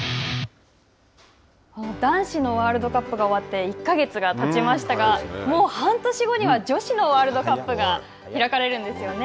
男子のワールドカップが終わって１か月がたちましたがもう半年後には女子のワールドカップが開かれるんですよね。